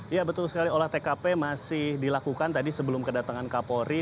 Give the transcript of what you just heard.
ya betul sekali olah tkp masih dilakukan tadi sebelum kedatangan kapolri